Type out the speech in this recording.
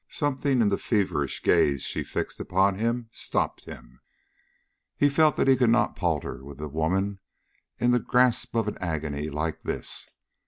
Something in the feverish gaze she fixed upon him stopped him. He felt that he could not palter with a woman in the grasp of an agony like this.